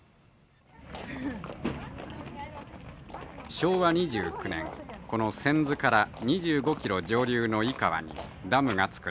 昭和２９年この千頭から２５キロ上流の井川にダムが造られました。